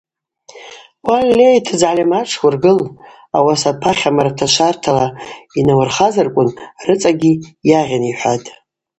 Уальей тыдз гӏальамат шуыргыл, ауаса апахь амараташвартала йнауырхазарквын рыцӏа йагъьын, – йхӏватӏ.